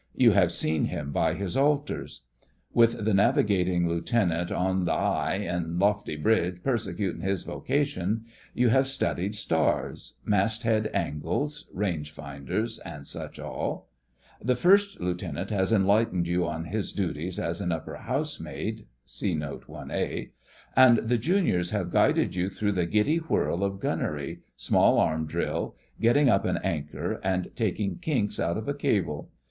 You have seen him by his altars. With the Navigating Lieutenant 'on the 'igh an' lofty bridge persecuting his vocation' you have studied stars, mast head angles, range finders, and such all; the First Lieutenant has enlightened you on his duties as an Upper Housemaid, (see Note Ia.) and the Juniors have guided you through the giddy whirl of gunnery, small arm drill, getting up an anchor, and taking kinks out of a cable.